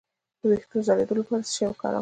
د ویښتو د ځلیدو لپاره باید څه شی وکاروم؟